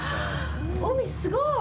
海すごい！